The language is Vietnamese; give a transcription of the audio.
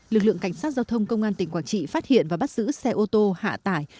lực lượng cảnh sát giao thông công an tỉnh quảng trị phát hiện và bắt giữ xe ô tô hạ tải